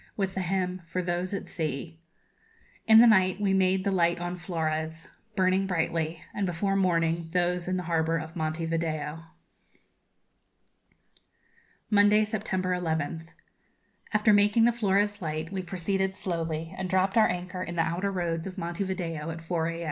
with the hymn, 'For those at Sea.' In the night we made the light on Flores, burning brightly, and before morning those in the harbour of Monte Video. Monday, September 11th. After making the Flores light we proceeded slowly, and dropped our anchor in the outer roads of Monte Video at 4 a.